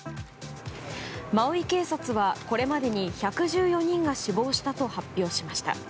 マウイ警察はこれまでに１１４人が死亡したと発表しました。